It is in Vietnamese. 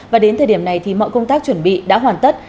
và đến thời điểm này thì mọi công tác chuẩn bị đã hoàn tất